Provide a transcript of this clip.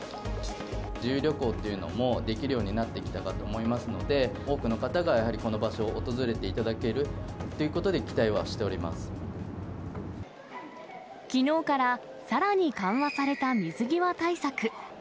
自由旅行っていうのもできるようになってきたかと思いますので、多くの方がやはりこの場所を訪れていただけるっていうことで期待きのうからさらに緩和された水際対策。